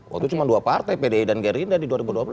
waktu cuma dua partai pdi dan gerindra di dua ribu dua belas